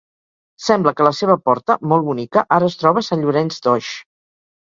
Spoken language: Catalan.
Sembla que la seva porta, molt bonica, ara es troba a Sant Llorenç d'Oix.